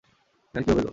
এখানে কীভাবে এলে?